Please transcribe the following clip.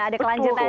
ada kelanjutan ya